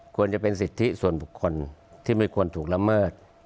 ควรจะเป็นสิทธิส่วนบุคคลที่ไม่ควรถูกละเมิด